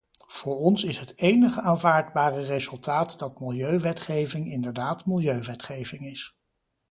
Voor ons is het enige aanvaardbare resultaat dat milieuwetgeving inderdaad milieuwetgeving is.